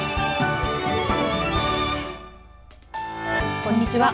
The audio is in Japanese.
こんにちは。